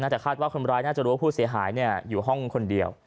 แต่คาดว่าคนร้ายน่าจะรู้ว่าผู้เสียหายอยู่ห้องคนเดียว